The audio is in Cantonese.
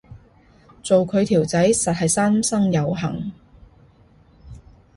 做佢條仔實係三生有幸